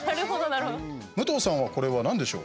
武藤さんはこれはなんでしょう？